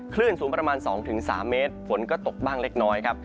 คลื่นสูงประมาณ๒๓เมตรฝนก็ตกบ้างเล็กน้อยครับ